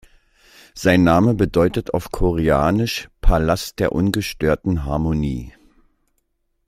Sein Name bedeutet auf Koreanisch „Palast der ungestörten Harmonie“.